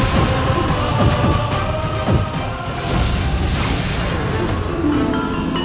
nyai dek saja